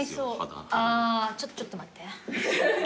あちょちょっと待って。